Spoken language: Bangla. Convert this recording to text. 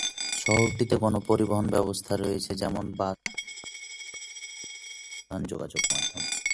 শহরটিতে গণপরিবহন ব্যবস্থা রয়েছে যেমন- বাস ও ট্রেন এই শহরের প্রধান যোগাযোগ মাধ্যম।